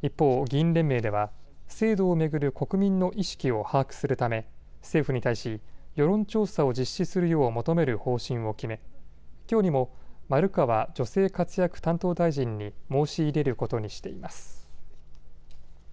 一方、議員連盟では制度を巡る国民の意識を把握するため政府に対し世論調査を実施するよう求める方針を決めきょうにも丸川女性活躍担当大臣に申し入れることにしています。